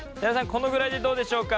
このぐらいでどうでしょうか？